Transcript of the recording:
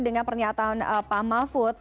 dengan pernyataan pak mahfud